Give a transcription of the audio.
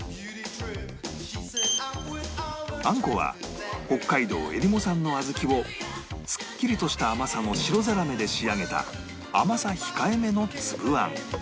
あんこは北海道えりも産の小豆をすっきりとした甘さの白ザラメで仕上げた甘さ控えめのつぶあん